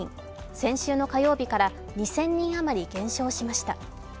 先週の火曜日から２０００人あまり減少しました。